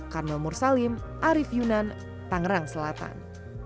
karmel mursalim arief yunan tangerang selatan